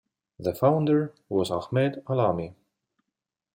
The founder was Ahmed Alami.